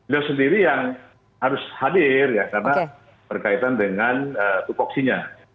dia sendiri yang harus hadir karena berkaitan dengan tukoksinya